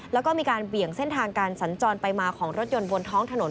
แล้วก็มีการเบี่ยงเส้นทางการสัญจรไปมาของรถยนต์บนท้องถนน